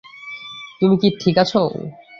তুমি কি ঠিক আছো?